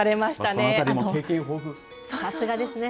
さすがですね。